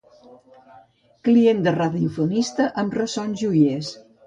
Client de radiofonista amb ressons joiers.